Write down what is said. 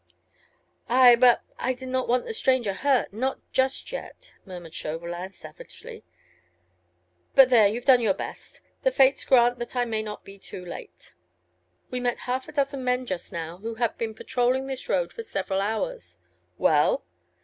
"Aye! but I did not want the stranger hurt—not just yet," murmured Chauvelin, savagely, "but there, you've done your best. The Fates grant that I may not be too late ..." "We met half a dozen men just now, who have been patrolling this road for several hours." "Well?"